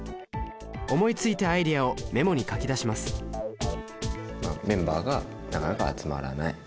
思いついたアイデアをメモに書き出しますメンバーがなかなか集まらない。